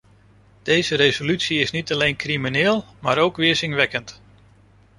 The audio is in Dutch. Deze resolutie is niet alleen crimineel, maar ook weerzinwekkend!